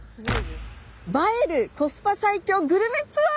「映える＆コスパ最強グルメツアー」！